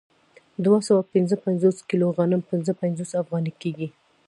دوه سوه پنځه پنځوس کیلو غنم پنځه پنځوس افغانۍ کېږي